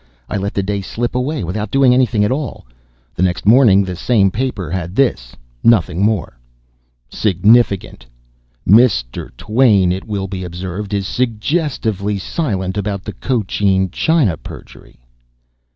I let the day slip away without doing anything at all. The next morning the same paper had this nothing more: SIGNIFICANT. Mr. Twain, it will be observed, is suggestively silent about the Cochin China perjury.